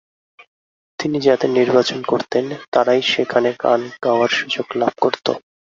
তিনি যাদের নির্বাচন করতেন, তারাই সেখানে গান গাওয়ার সুয়োগ লাভ করত।